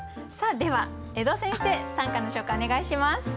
では江戸先生短歌の紹介お願いします。